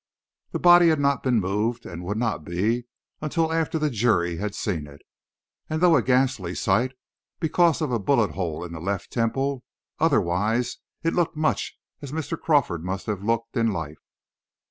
The body had not been moved, and would not be until after the jury had seen it, and though a ghastly sight, because of a bullet hole in the left temple, otherwise it looked much as Mr. Crawford must have looked in life.